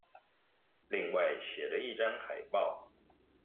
另外寫了一張海報